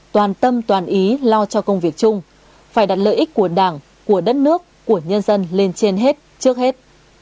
toàn tâm toàn ý lo cho công việc chung phải đặt lợi ích của đảng của đất nước của nhân dân lên trên hết trước hết